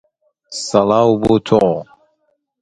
آنها گوشت را در برگ مو میپیچند.